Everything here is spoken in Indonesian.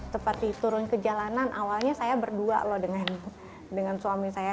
seperti turun ke jalanan awalnya saya berdua loh dengan suami saya